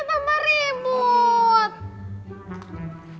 ntar adanya tambah ribut